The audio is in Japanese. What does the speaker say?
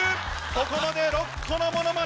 ここまで６個のものまね。